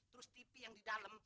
terus tv yang di dalam